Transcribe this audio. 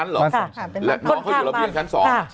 แล้วน้องเขาอยู่ระเบียงชั้น๒